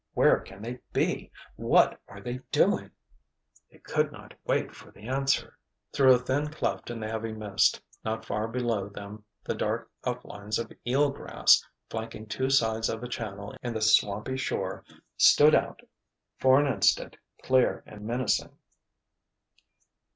Where can they be? What are they doing?" They could not wait for the answer. Through a thin cleft in the heavy mist, not far below them the dark outlines of eel grass, flanking two sides of a channel in the swampy shore line stood out, for an instant, clear and menacing.